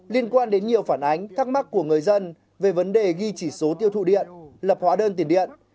liên quan đến nhiều phản ánh thắc mắc của người dân về vấn đề ghi chỉ số tiêu thụ điện lập hóa đơn tiền điện